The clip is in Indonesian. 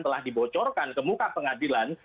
telah dibocorkan ke muka pengadilan